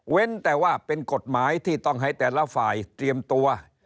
แต่ว่าเป็นกฎหมายที่ต้องให้แต่ละฝ่ายเตรียมตัว